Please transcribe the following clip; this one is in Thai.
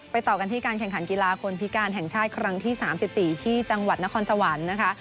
ต่อกันที่การแข่งขันกีฬาคนพิการแห่งชาติครั้งที่๓๔ที่จังหวัดนครสวรรค์นะคะ